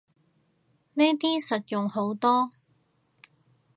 呢啲實用好多